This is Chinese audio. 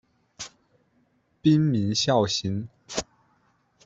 滨名孝行。